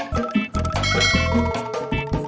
terima kasih pak bapak